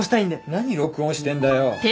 何録音してんだよ。